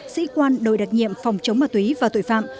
sĩ quan đội đặc nhiệm phòng chống ma túy và tội phạm